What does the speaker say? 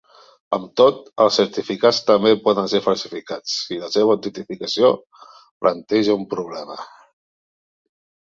Amb tot, els certificats també poden ser falsificats i la seva autenticació planteja un problema.